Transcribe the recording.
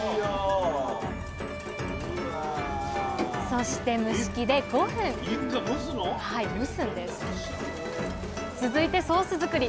そして蒸し器で５分間続いてソース作り。